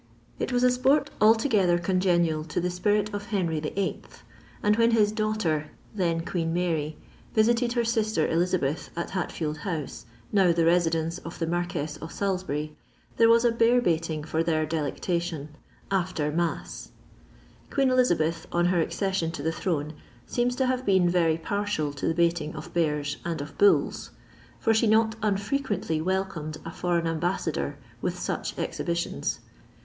It was a sport altogether LOIfDOir LABOUR AND THE LONDON POOR. 55 eongcnkl to th« fpirit of Henry YIII. ; and when hit daoghter, then Qaeen Mary, Tiiited her sister Elisabeth at Hatfield Home, now the residence of the Marqaesa of Salisbury, there xm» a bear baiting for their delectation— after mats. Queen Blisal^h, on her aocession to the throne, seems to havo been very partial to the baiting of bears and of bolls ; for ihe not unfrequently welcomed a foreign ambanador with such exhibitionB.